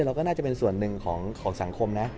เราก็น่าจะเป็นส่วนหนึ่งของสังคมนะ